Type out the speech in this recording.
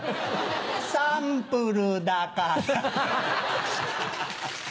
サンプルだから。